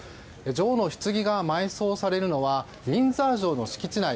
女王のひつぎが埋葬されるのはウィンザー城の敷地内